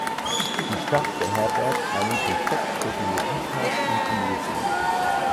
Die Stadt beherbergt einen von sechs Technologieparks in Tunesien.